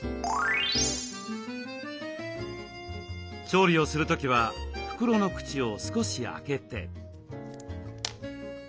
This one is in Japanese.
調理をする時は袋の口を少し開けて。